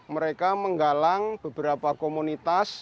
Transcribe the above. mereka menggalang beberapa komunitas